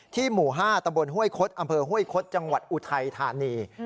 ที่หมู่๕ตะบลเฮ้วยคลดอำเภอเฮ้วยคลดจังหวัดอุทัยธานี